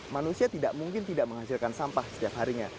manusia tidak mungkin tidak menghasilkan sampah setiap harinya